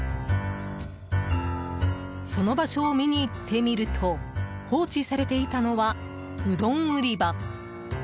その場所を見に行ってみると放置されていたのはうどん売り場。